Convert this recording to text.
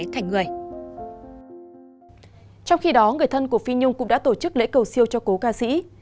trong khi đó người thân của phi nhung cũng đã tổ chức lễ cầu siêu cho cố ca sĩ